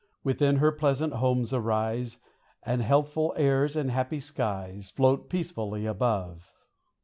Within her pleasant homes arise ; And healthful airs and happy skies Float peacefully above.